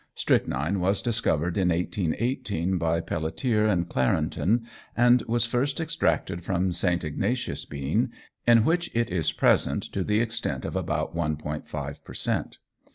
Strychnine was discovered in 1818 by Pelletier and Carenton, and was first extracted from St. Ignatius' bean, in which it is present to the extent of about 1·5 per cent.